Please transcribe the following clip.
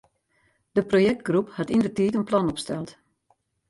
De projektgroep hat yndertiid in plan opsteld.